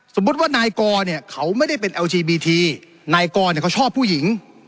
สมมุติว่านายกรเนี่ยเขาไม่ได้เป็นเอลจีบีทีนายกรเนี่ยเขาชอบผู้หญิง